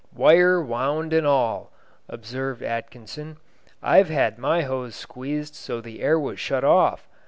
"Wire wound and all," observed Atkinson, "I've had my hose squeezed so the air was shut off.